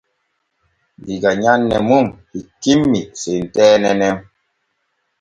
Diga nyanne mun hikkimmi senteene nen.